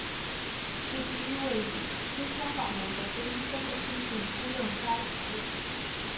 是第一位以非香港人和非医生的身份出任该职位。